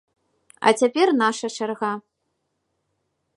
А цяпер наша чарга.